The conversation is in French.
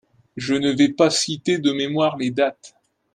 Je ne vais pas citer de mémoire les dates